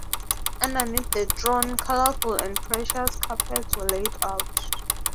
Underneath the throne, colorful and precious carpets were laid out.